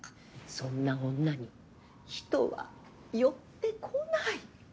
そんな女に人は寄ってこない。